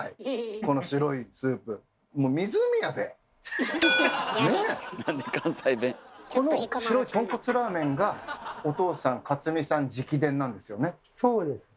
この白いとんこつラーメンがお父さん勝見さん直伝なんですよね？